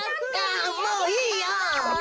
あもういいよ！